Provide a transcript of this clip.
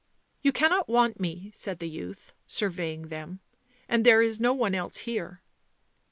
" You cannot want me," said the youth, surveying them. 11 And there is no one else here."